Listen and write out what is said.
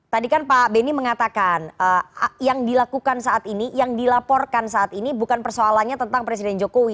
tadi kan pak benny mengatakan yang dilakukan saat ini yang dilaporkan saat ini bukan persoalannya tentang presiden jokowi